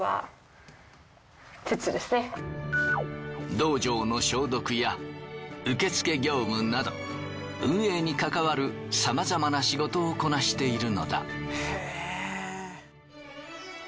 道場の消毒や受付業務など運営に関わるさまざまな仕事をこなしているのだ。